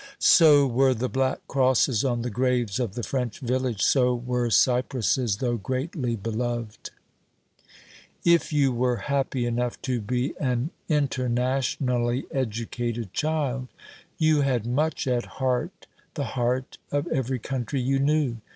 So were the black crosses on the graves of the French village; so were cypresses, though greatly beloved. If you were happy enough to be an internationally educated child, you had much at heart the heart of every country you knew.